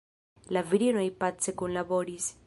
La virinoj pace kunlaboris.